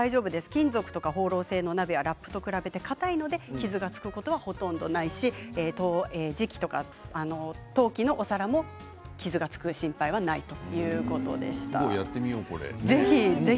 金属とかホーロー製の鍋はラップと比べてかたいので傷がつくことはほとんどないですし磁器とか陶器のお皿も傷がつく心配はないやってみよう。